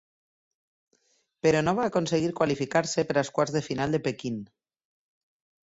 Però no va aconseguir qualificar-se per als quarts de final de Pequín.